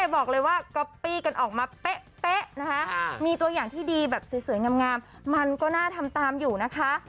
บอกเลยว่าก๊อปปี้กันออกมาเป๊ะนะคะมีตัวอย่างที่ดีแบบสวยงามมันก็น่าทำตามอยู่นะคะ